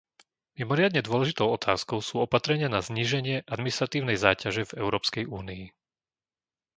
Mimoriadne dôležitou otázkou sú opatrenia na zníženie administratívnej záťaže v Európskej únii.